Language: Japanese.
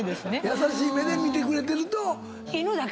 優しい目で見てくれてると。